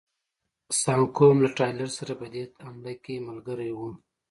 سانکو هم له ټایلر سره په دې حمله کې ملګری و.